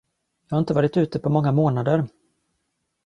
Jag har inte varit ute på många månader.